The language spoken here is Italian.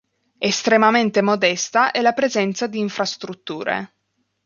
Estremamente modesta è la presenza di infrastrutture.